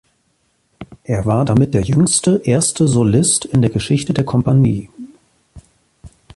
Er war damit der jüngste Erste Solist in der Geschichte der Companie.